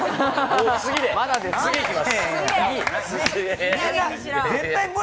次行きます。